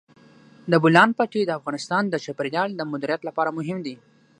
د بولان پټي د افغانستان د چاپیریال د مدیریت لپاره مهم دي.